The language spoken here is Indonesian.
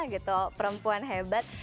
gitu perempuan hebat